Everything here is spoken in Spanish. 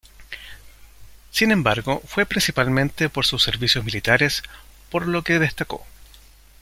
Sin embargo, fue principalmente por sus servicios militares por lo que destacó.